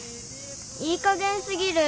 いいかげんすぎる！